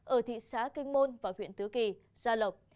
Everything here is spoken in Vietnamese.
ở thị xã kinh môn và huyện tứ kỳ gia lộc